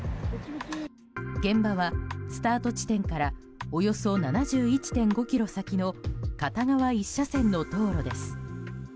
現場はスタート地点からおよそ７１．５ｋｍ先の片側１車線の道路です。